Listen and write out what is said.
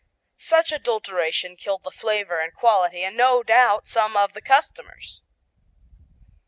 Such adulteration killed the flavor and quality, and no doubt some of the customers.